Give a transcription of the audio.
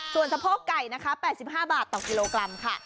ส่วนสะโพกไก่นะคะ๘๕บาทต่อกิโลกรัมค่ะ